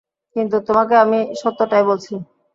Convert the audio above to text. কিন্তু তোমাকে আমি সত্যিটাই বলছি।